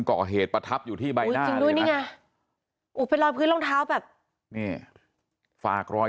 จนก่อเหตุประทับอยู่ที่ใบหน้าได้ไหมรอยพื้นรองเท้าแบบฝากรอย